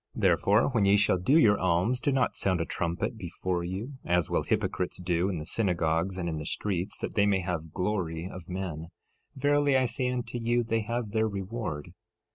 13:2 Therefore, when ye shall do your alms do not sound a trumpet before you, as will hypocrites do in the synagogues and in the streets, that they may have glory of men. Verily I say unto you, they have their reward.